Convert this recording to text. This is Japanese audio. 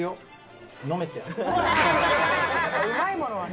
「うまいものはね」